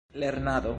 lernado